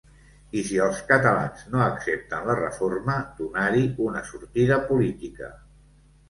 I si els catalans no accepten la reforma, donar-hi una sortida política.